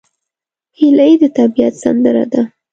هیلۍ د طبیعت سندره ده